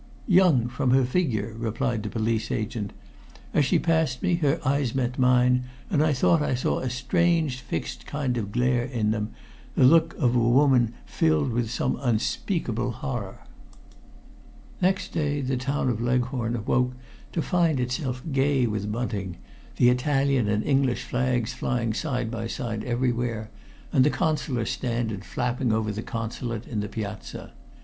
"Young from her figure," replied the police agent. "As she passed me her eyes met mine, and I thought I saw a strange fixed kind of glare in them the look of a woman filled with some unspeakable horror." Next day the town of Leghorn awoke to find itself gay with bunting, the Italian and English flags flying side by side everywhere, and the Consular standard flapping over the Consulate in the piazza.